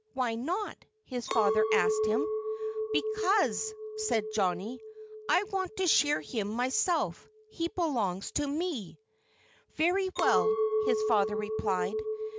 "Why not?" his father asked him. "Because," said Johnnie, "I want to shear him myself. He belongs to me." "Very well!" his father replied.